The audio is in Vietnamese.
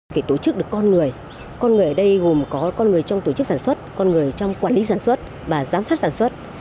phải tổ chức được con người con người ở đây gồm có con người trong tổ chức sản xuất con người trong quản lý sản xuất và giám sát sản xuất